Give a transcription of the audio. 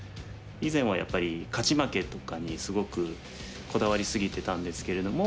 以前はやっぱり勝ち負けとかにすごくこだわり過ぎてたんですけれども。